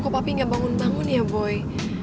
kenapa suas dirt dasar kagak bangun bangun ya boy